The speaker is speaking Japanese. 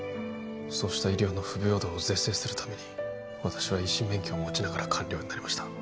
そうした医療の不平等を是正するために私は医師免許を持ちながら官僚になりました